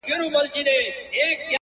هغوو ته ځکه تر لیلامه پوري پاته نه سوم ـ